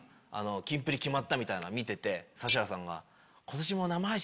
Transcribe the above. キンプリ決まった！みたいなの見てて。